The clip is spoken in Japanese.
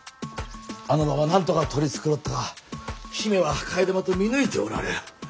あの場はなんとか取り繕ったが姫は替え玉と見抜いておられる。